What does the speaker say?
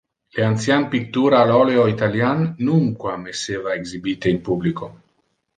Le ancian pictura al oleo italian nunquam esseva exhibite in publico.